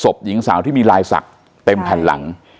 หญิงสาวที่มีลายศักดิ์เต็มแผ่นหลัง